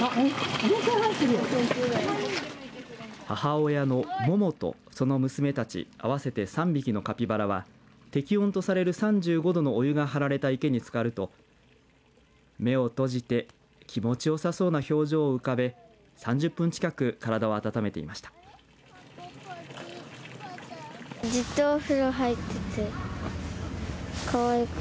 母親のモモとその娘たち合わせて３匹のカピバラは適温とされる３５度のお湯が張られた池につかると目を閉じて気持ちよさそうな表情を浮かべ３０分近く体を温めていました。